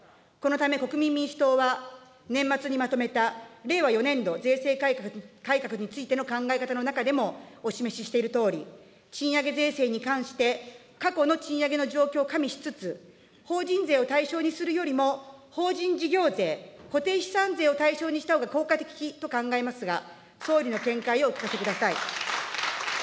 このため、国民民主党は、年末にまとめた、令和４年度税制改革についての考え方の中でもお示ししているとおり、賃上げ税制に関して、過去の賃上げの状況を加味しつつ、法人税を対象にするよりも、法人事業税、固定資産税を対象にしたほうが効果的と考えますが、総理の見解をお聞かせください。